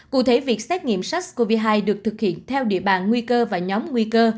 cụ thể việc xét nghiệm sars cov hai được thực hiện theo địa bàn nguy cơ và nhóm nguy cơ